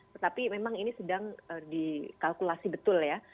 tetapi memang ini sedang dikalkulasi betul ya